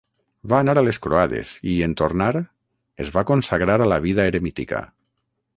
Va anar a les croades i, en tornar, es va consagrar a la vida eremítica.